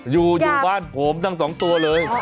อยู่บ้านผมทั้งสองตัวเลย